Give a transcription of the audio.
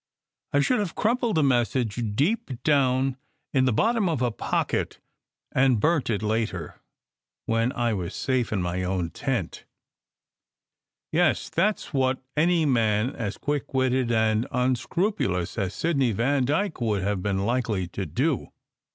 SECRET HISTORY 291 I should have crumpled the message deep down in the bottom of a pocket, and burnt it later, when I was safe in my own tent. Yes, that was what any man as quick witted and unscrupulous as Sidney Vandyke would have been likely to do.